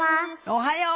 おはよう！